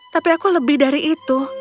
tapi aku lebih dari itu